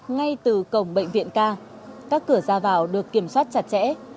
ngay từ cổng bệnh viện ca các cửa ra vào được kiểm soát chặt chẽ